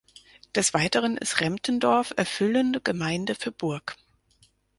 Des Weiteren ist Remptendorf erfüllende Gemeinde für Burgk.